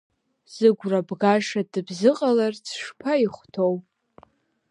Зыгәра бгаша дыбзыҟаларц шԥаихәҭоу?